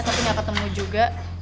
tapi nggak ketemu juga